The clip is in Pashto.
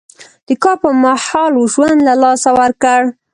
د کار پر مهال ژوند له لاسه ورکړ.